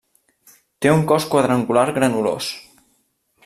Té un cos quadrangular granulós.